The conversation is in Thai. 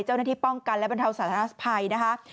เจ้าหน้าที่ป้องกันและบรรเทาสาธารณภัยนะคะ